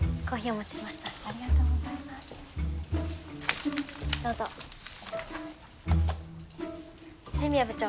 お持ちしましたありがとうございますどうぞありがとうございます藤宮部長